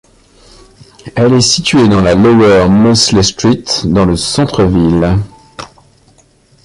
Elle est située dans la Lower Mosley Street dans le centre ville.